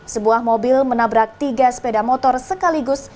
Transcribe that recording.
sebuah mobil menabrak tiga sepeda motor sekaligus